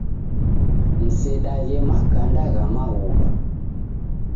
Msedaghe makanda gha maghuwa.